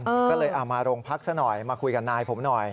ก็เลยเอามาโรงพักซะหน่อยมาคุยกับนายผมหน่อย